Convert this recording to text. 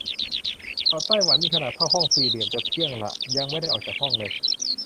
เกาะไต้หวัน มีขนาดเท่าห้องสี่เหลี่ยม จะเที่ยงละ ยังไม่ได้ออกจากห้องเลย !